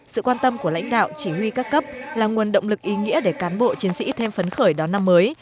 sự quan tâm của lãnh đạo chỉ huy các cấp là nguồn động lực ý nghĩa để cán bộ chiến sĩ thêm phấn khởi đón năm mới